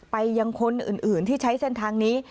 ไปยังคนอื่นที่ใช้เส้นทางนี้